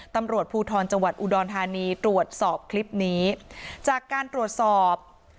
ตำรวจภูทรจังหวัดอุดรธานีตรวจสอบคลิปนี้จากการตรวจสอบ